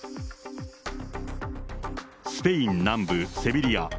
スペイン南部セビリア。